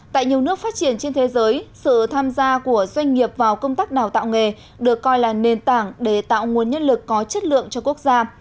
tại nhiều nước phát triển trên thế giới sự tham gia của doanh nghiệp vào công tác đào tạo nghề được coi là nền tảng để tạo nguồn nhân lực có chất lượng cho quốc gia